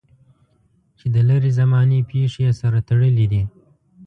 چې د لرې زمانې پېښې یې سره تړلې دي.